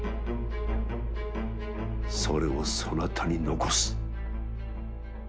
それをそなたに残す。